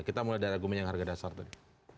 kita mulai dari argumen yang harga dasar tadi